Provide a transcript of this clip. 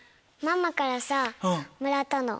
ママからさもらったの。